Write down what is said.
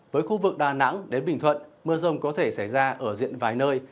với khu vực đà nẵng đến bình thuận mưa rông có thể xảy ra ở diện vài nơi